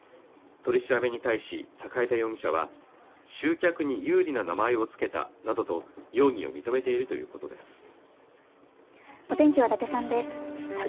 取り調べに対し栄田容疑者は集客に有利な名前をつけたなどと容疑を認めているということです